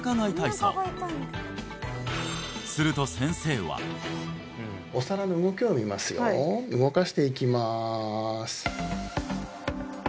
そうすると先生はお皿の動きを見ますよ動かしていきます